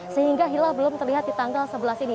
sehingga hilal belum terlihat di tanggal sebelas ini